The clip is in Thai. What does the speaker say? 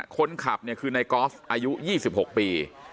คนขับเนี่ยคือในกอล์ฟอายุ๒๖ปี